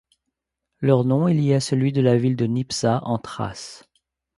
Leur nom est lié à celui de la ville de Nipsa en Thrace.